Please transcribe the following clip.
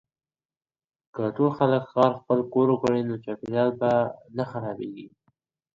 که ټول خلګ ښار خپل کور وګڼي، نو چاپیریال نه خرابیږي.